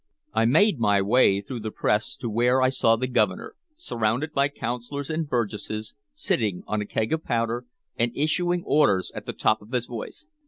I made my way through the press to where I saw the Governor, surrounded by Councilors and Burgesses, sitting on a keg of powder, and issuing orders at the top of his voice.